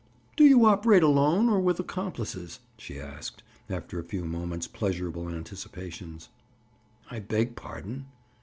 "Do you operate alone, or with accomplices?" she asked, after a few moments' pleasurable anticipations. "I beg pardon?"